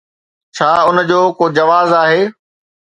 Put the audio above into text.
ڇا ان جو ڪو جواز آهي؟